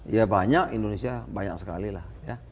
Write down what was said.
ya banyak indonesia banyak sekali lah ya